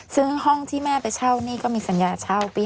ซึ่งห้องที่แม่ไปเช่านี่ก็มีสัญญาเช่าปี๒๕